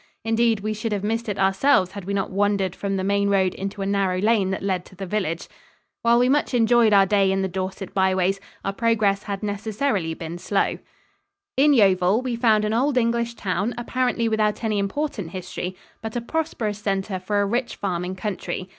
Indeed, we should have missed it ourselves had we not wandered from the main road into a narrow lane that led to the village. While we much enjoyed our day in the Dorset byways, our progress had necessarily been slow. In Yeovil, we found an old English town apparently without any important history, but a prosperous center for a rich farming country.